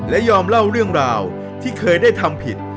และยอมเล่าเรื่องราวที่เคยได้ทำผิด